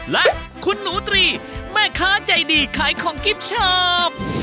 และคุณหนูตรีแม่ค้าใจดีขายของกิ๊บชอบ